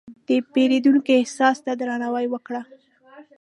د پیرودونکي احساس ته درناوی وکړه.